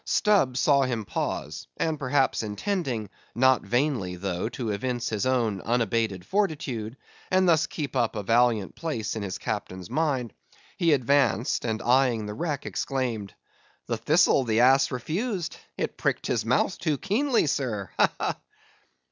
Stubb saw him pause; and perhaps intending, not vainly, though, to evince his own unabated fortitude, and thus keep up a valiant place in his Captain's mind, he advanced, and eyeing the wreck exclaimed—"The thistle the ass refused; it pricked his mouth too keenly, sir; ha! ha!"